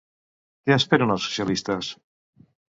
Què esperen els socialistes?